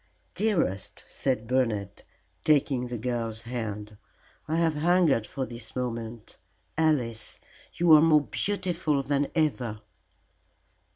"Dearest," said Bernard, taking the girl's hand, "I have hungered for this moment. Alice, you are more beautiful than ever."